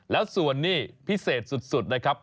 แล้วส่วนนี้พิเศษสุดนะครับ